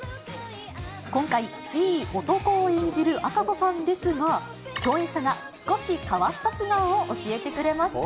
今回、いい男を演じる赤楚さんですが、共演者が少し変わった素顔を教えてくれました。